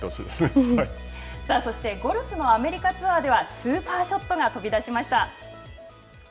そして、ゴルフのアメリカツアーではスーパーショットが飛び出しました。